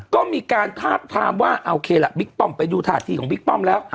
ก็มีการทาบทามว่าโอเคล่ะบิ๊กป้อมไปดูท่าทีของบิ๊กป้อมแล้ว